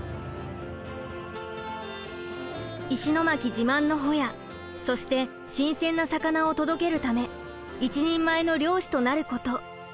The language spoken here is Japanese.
石巻自慢のホヤそして新鮮な魚を届けるため一人前の漁師となること。